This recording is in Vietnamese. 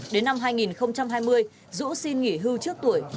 đến năm hai nghìn hai mươi dũ xin nghỉ hưu trước tuổi